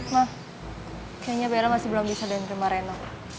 ma kayaknya bella masih belum bisa dengan rumah reno